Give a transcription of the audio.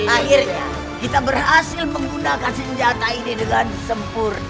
akhirnya kita berhasil menggunakan senjata ini dengan sempurna